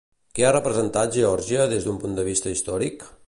Què ha representat Geòrgia des d'un punt de vista històric?